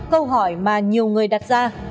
câu hỏi mà nhiều người đặt ra